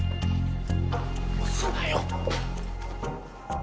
押すなよ。